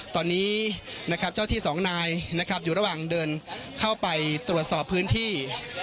ตอนนี้นะครับเจ้าที่สองนายนะครับอยู่ระหว่างเดินเข้าไปตรวจสอบพื้นที่